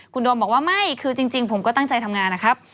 คุณโดมบอกว่าไม่คือจริงผมก็ตั้งใจทำงานนะครับ